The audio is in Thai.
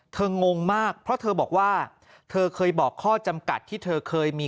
งงมากเพราะเธอบอกว่าเธอเคยบอกข้อจำกัดที่เธอเคยมี